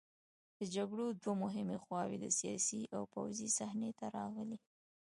د جګړې دوه مهمې خواوې د سیاسي او پوځي صحنې ته راغلې.